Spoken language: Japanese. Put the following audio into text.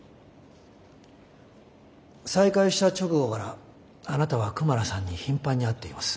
再会した直後からあなたはクマラさんに頻繁に会っています。